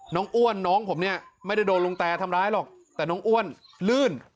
อ้วนน้องผมเนี่ยไม่ได้โดนลุงแตทำร้ายหรอกแต่น้องอ้วนลื่น